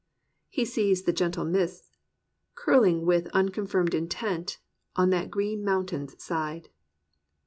He sees the gentle mists "Curling with unconfirmed intent On that green mountain's side.'